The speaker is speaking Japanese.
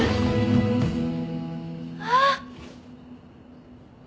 あっ！